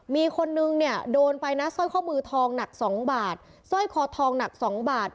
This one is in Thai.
มีคนนึงเนี่ยโดนไปนะซ่อยข้อมือทองหนักสองบาท